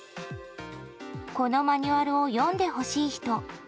このマニュアルを読んでほしい人。